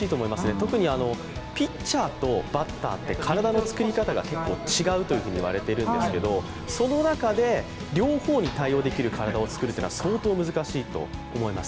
特にピッチャーとバッターって体の作り方が違うと言われているんですけど、その中で両方に対応できる体を作るのは相当難しいと思います。